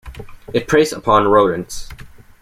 It preys upon rodents.